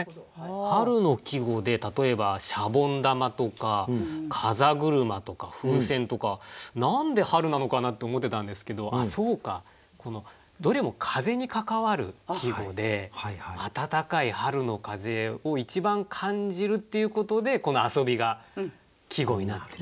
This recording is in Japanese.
春の季語で例えば「石鹸玉」とか「風車」とか「風船」とか何で春なのかなって思ってたんですけどそうかどれも風に関わる季語で暖かい春の風を一番感じるっていうことでこの遊びが季語になっているっていうことなんですね。